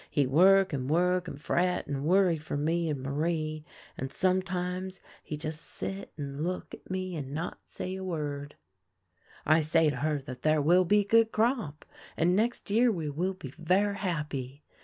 He work and work and fret and worry for me and IMarie, and sometimes he just sit and look at me and say not a Vv^ord.' " I say to her that there will be good crop, and next year we will be ver' happy.